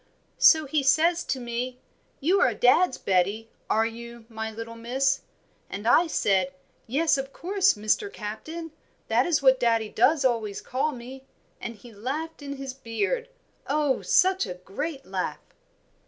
"So he says to me, 'You are dad's Betty, are you, my little Miss?' and I said, 'Yes, of course, Mr. Captain, that is what daddie does always call me,' and he laughed in his beard, oh! such a great laugh."